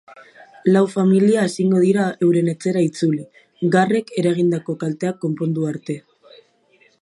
Lau familia ezingo dira euren etxera itzuli, garrek eragindako kalteak konpondu arte.